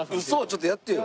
ちょっとやってよ。